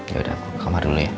yaudah aku ke kamar dulu ya